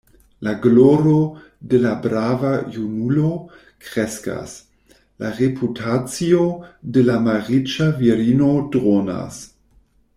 La gloro de la brava junulo kreskas; la reputacio de la malriĉa virino dronas.